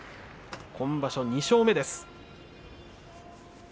今場所２勝目です。